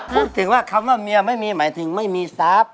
พูดถึงว่าคำว่าเมียไม่มีหมายถึงไม่มีทรัพย์